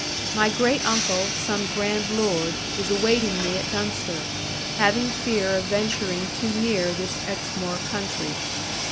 My great uncle, some grand lord, is awaiting me at Dunster, having fear of venturing too near this Exmoor country.